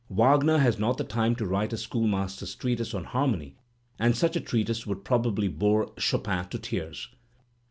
Wagner has not time to write a school master's treatise on harmony, and such a treatise would probably bore Chopin to tears.